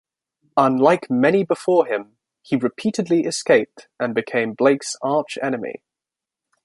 Unlike many before him, he repeatedly escaped and became Blake's arch-enemy.